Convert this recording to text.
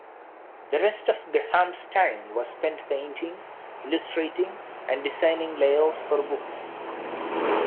The rest of Graham's time was spent painting, illustrating and designing layouts for books.